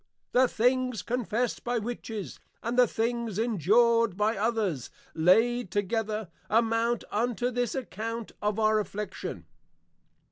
The things confessed by Witches, and the things endured by Others, laid together, amount unto this account of our Affliction.